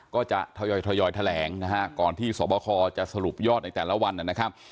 ก็จะทยอยแถลงนะฮะก่อนที่สวบคจะสรุปยอดในแต่ละวันนะครับ